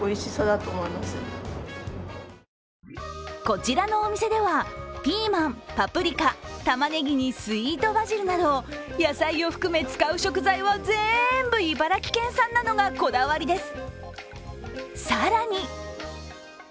こちらのお店ではピーマン、パプリカ、たまねぎにスイートバジルなど野菜を含め使う食材は全部茨城県産なのがこだわりです。